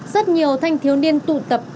rất nhiều thanh thiếu niên tụ tập